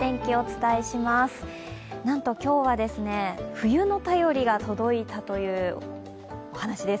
なんと今日は冬の便りが届いたというお話です。